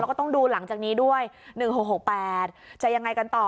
แล้วก็ต้องดูหลังจากนี้ด้วย๑๖๖๘จะยังไงกันต่อ